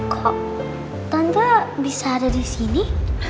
kok tante bisa ada di sini